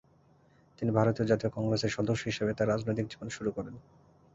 তিনি ভারতীয় জাতীয় কংগ্রেসের সদস্য হিসেবে তাঁর রাজনৈতিক জীবন শুরু করেন।